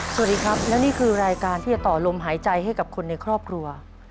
สวัสดีครับและนี่คือรายการที่จะต่อลมหายใจให้กับคนในครอบครัว